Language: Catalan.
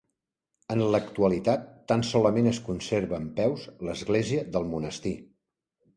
En l'actualitat tan solament es conserva en peus l'església del monestir.